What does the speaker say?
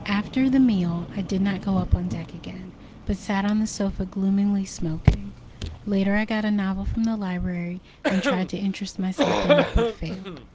After the meal I did not go up on deck again, but sat on the sofa gloomily smoking. Later I got a novel from the library, and tried to interest myself in it, but failed.